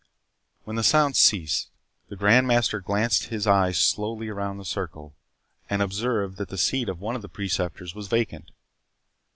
When the sounds ceased, the Grand Master glanced his eye slowly around the circle, and observed that the seat of one of the Preceptors was vacant.